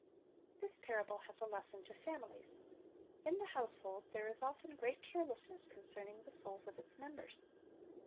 This parable has a lesson to families. In the household there is often great carelessness concerning the souls of its members.